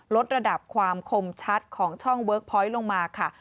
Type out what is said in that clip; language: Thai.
ลดระดับความคมชัดของช่องเวิร์คพอยต์ลงมาค่ะ